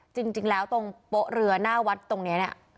จริงแล้วตรงโป๊ะเรือหน้าวัดตรงนี้เนี่ย